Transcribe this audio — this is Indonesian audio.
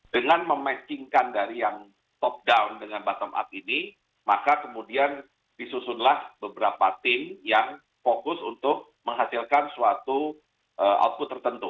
dengan mematchingkan dari yang top down dengan bottom up ini maka kemudian disusunlah beberapa tim yang fokus untuk menghasilkan suatu output tertentu